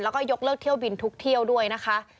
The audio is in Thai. แล้วก็ยกเลิกเที่ยวบินทุกเที่ยวด้วยนะคะ